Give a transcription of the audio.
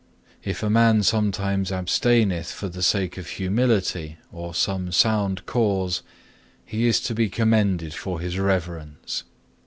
If a man sometimes abstaineth for the sake of humility or some sound cause, he is to be commended for his reverence.